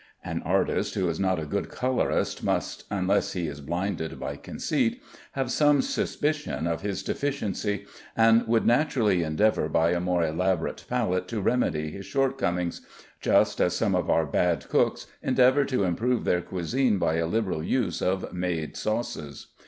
An artist who is not a good colorist must (unless he is blinded by conceit) have some suspicion of his deficiency, and would naturally endeavor by a more elaborate palette to remedy his shortcomings, just as some of our bad cooks endeavor to improve their cuisine by a liberal use of made sauces.